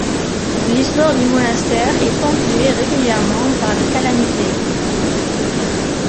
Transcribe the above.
L'histoire du monastère est ponctué régulièrement par les calamités.